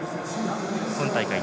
今大会